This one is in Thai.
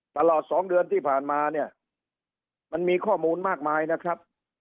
ตลอด๒เดือนที่ผ่านมาเนี่ยมันมีข้อมูลมากมายนะครับ